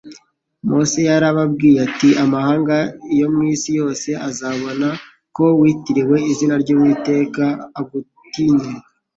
Mose yarababwiye ati: "Amahanga yo mu isi yose azabona ko witiriwe izina ry'Uwiteka agutinye."